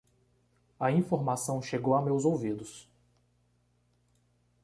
A informação chegou a meus ouvidos